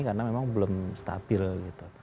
karena memang belum stabil gitu